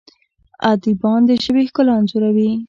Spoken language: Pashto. ادیبان د ژبې ښکلا انځوروي.